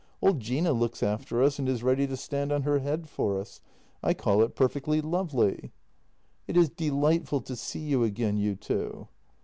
Old Gina looks after us, and is ready to stand on her head for us. I call it perfectly lovely." " It is delightful to see you again, you two."